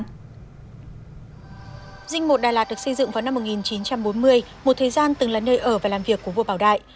dinh một đà lạt được xây dựng vào năm một nghìn chín trăm bốn mươi một thời gian từng là nơi ở và làm việc của vua bảo đại